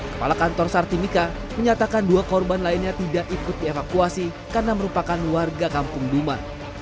kepala kantor sartimika menyatakan dua korban lainnya tidak ikut dievakuasi karena merupakan warga kampung duma